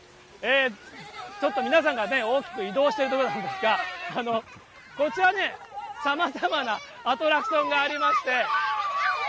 ちょっと皆さんが大きく移動しているところなんですが、こちらね、さまざまなアトラクションがありまして。